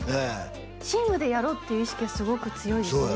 チームでやろうっていう意識はすごく強いですね